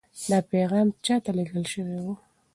دا پیغام چا ته لېږل شوی و؟